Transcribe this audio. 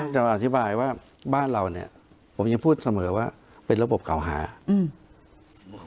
จะมาอธิบายว่าบ้านเราเนี่ยผมยังพูดเสมอว่าเป็นระบบเก่าหาอืม